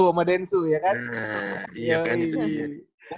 sama densu ya kan